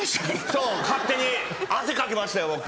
そう勝手に汗かきました僕。